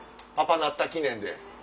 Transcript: パパなった記念で。